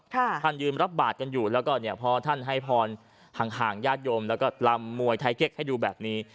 ท่านยืนรับบาทกันอยู่แล้วก็เนี่ยพอท่านให้พรห่างห่างญาติโยมแล้วก็ลำมวยไทยเก๊กให้ดูแบบนี้